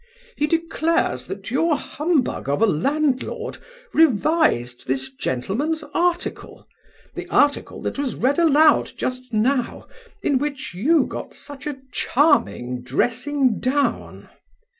"He declares that your humbug of a landlord revised this gentleman's article—the article that was read aloud just now—in which you got such a charming dressing down."